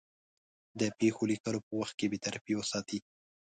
د پېښو لیکلو په وخت کې بېطرفي وساتي.